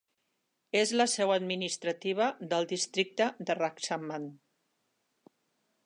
És la seu administrativa del districte de Rajsamand.